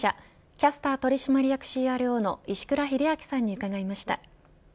キャスター取締役ＣＲＯの石倉秀明さんに伺いました。